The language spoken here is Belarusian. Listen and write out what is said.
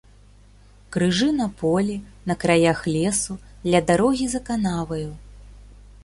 Крыжы на полі, на краях лесу, ля дарогі за канаваю.